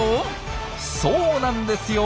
そうなんですよ